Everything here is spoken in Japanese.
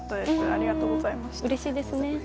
ありがとうございます。